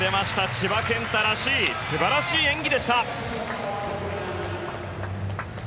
千葉健太らしい素晴らしい演技でした！